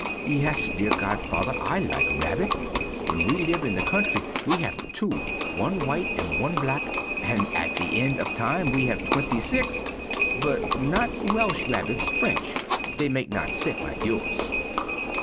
Yes, dear godfather, I like rabbit. When we live in the country we have two, one white and one black, and at the end of time we have 26! But not Welsh rabbits; French. They make not sick like yours.